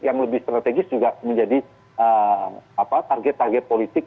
yang lebih strategis juga menjadi target target politik